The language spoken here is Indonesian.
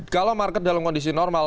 kalau market dalam kondisi normal